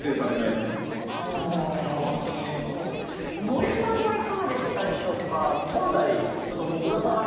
森さんはいかがでしたでしょうか？